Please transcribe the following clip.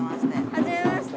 はじめまして。